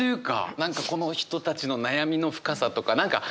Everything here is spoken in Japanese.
何かこの人たちの悩みの深さとか何か濃厚な感じ？